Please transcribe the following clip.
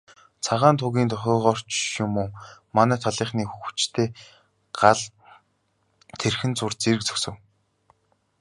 Цагаан тугийн дохиогоор ч юм уу, манай талынхны хүчтэй гал тэрхэн зуур зэрэг зогсов.